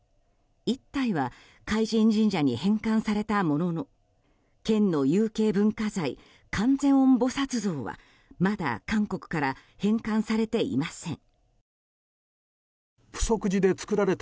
１体は海神神社に返還されたものの県の有形文化財観世音菩薩坐像はまだ韓国から返還されていません。